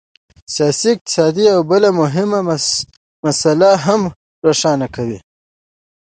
سیاسي اقتصاد یوه بله مهمه مسله هم روښانه کوي.